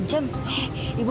saya jangan takut